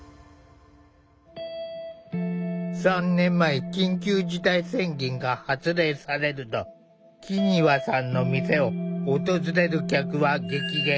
３年前緊急事態宣言が発令されると木庭さんの店を訪れる客は激減。